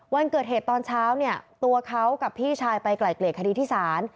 วันเกิดเหตุตอนเช้าเนี่ยตัวเขากับพี่ชายไปไกลเกลียดคดีที่ศาล